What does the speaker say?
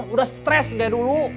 udah stres deh dulu